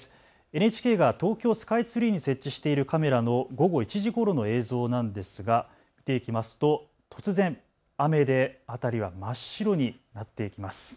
ＮＨＫが東京スカイツリーに設置しているカメラの午後１時ごろの映像なんですが見ていきますと突然、雨で辺りは真っ白になっていきます。